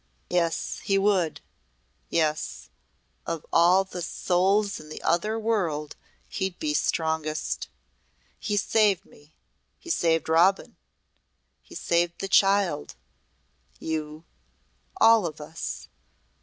"Yes, he would! Yes of all the souls in the other world he'd be strongest. He saved me he saved Robin he saved the child you all of us!